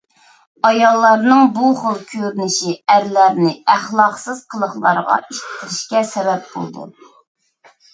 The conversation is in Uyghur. ئاياللارنىڭ بۇ خىل كۆرۈنۈشى ئەرلەرنى ئەخلاقسىز قىلىقلارغا ئىتتىرىشكە سەۋەب بولىدۇ.